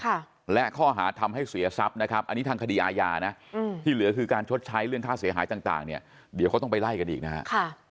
ค่ะและข้อหาทำให้เสียทรัพย์นะครับอันนี้ทางคดีอาญานะอืมที่เหลือคือการชดใช้เรื่องค่าเสียหายต่างต่างเนี่ยเดี๋ยวเขาต้องไปไล่กันอีกนะฮะค่ะ